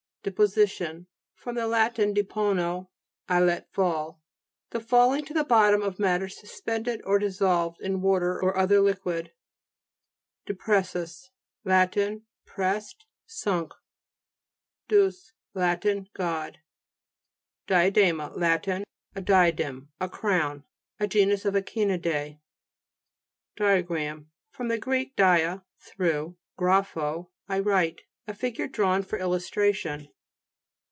DEPOSITION fr. lat. depono, I let fall. The falling to the bottom of matters suspended or dissolved in water or other liquid. DEPRE'SSUS Lat. Pressed, sunk. DECS Lat. God. DEVONIAN SYSTEM (p. 32). DIADE'MA Lat, A diadem, a crown, A genus of echini'deae (p. 54). DI'AGRAM fr. gr. diet, through, gra phb, I write. A figure drawn for illustration.